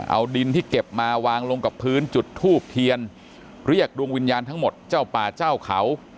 เอาดินที่เก็บมาวางลงกับพื้นจุดทูบเทียนเรียกดวงวิญญาณทั้งหมดเจ้าป่าเจ้าเขา